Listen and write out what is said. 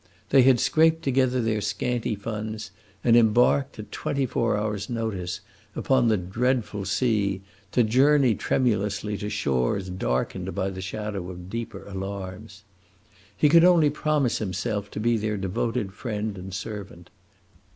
They had scraped together their scanty funds and embarked, at twenty four hours' notice, upon the dreadful sea, to journey tremulously to shores darkened by the shadow of deeper alarms. He could only promise himself to be their devoted friend and servant.